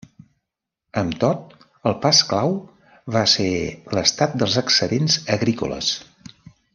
Amb tot, el pas clau va ser l'estat dels excedents agrícoles.